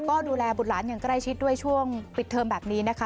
ก็ดูแลบุตรหลานอย่างใกล้ชิดด้วยช่วงปิดเทอมแบบนี้นะคะ